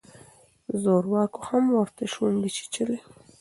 زورواکو هم ورته شونډې چیچلې.